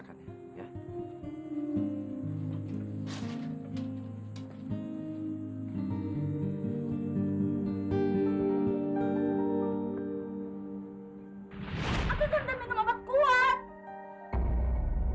aku kan udah minum apat kuat